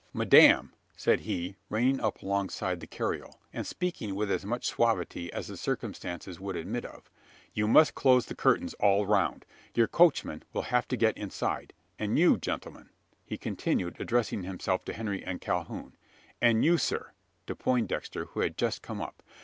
"Madame!" said he, reining up alongside the carriole, and speaking with as much suavity as the circumstances would admit of, "you must close the curtains all round. Your coachman will have to get inside; and you, gentlemen!" he continued, addressing himself to Henry and Calhoun "and you, sir;" to Poindexter, who had just come up.